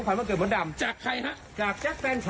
ตัวนี้อายุ๓ขวบเอง